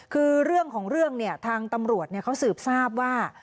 คือเรื่องของเรื่องเนี่ยทางตำรวจเขาสืบทราบว่า